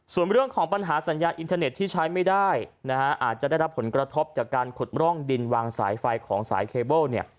ส่วนเรื่องของปัญหาสัญญาณอินเทอร์เน็ตที่ใช้ไม่ได้นะฮะอาจจะได้รับผลกระทบจากการขุดร่องดินวางสายไฟของสายเคเบิลเนี่ย